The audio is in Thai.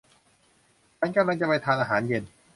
ฉันกำลังจะไปทานอาหารเย็น